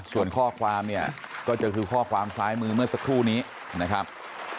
ส่วนข้อความเนี่ยก็จะคือข้อความซ้ายมือเมื่อสักครู่นี้นะครับ